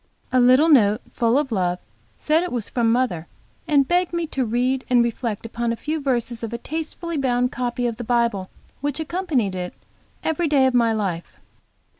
A little note, full of love, said it was from mother, and begged me to read and reflect upon a few verses of a tastefully bound copy of the Bible, which accompanied it every day of my life.